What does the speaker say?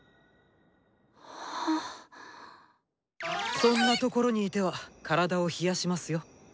そんなところにいては体を冷やしますよ。